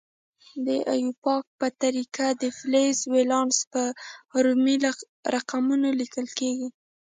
د ایوپاک په طریقه د فلز ولانس په رومي رقمونو لیکل کیږي.